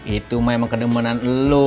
itu mah emang kedemenan lo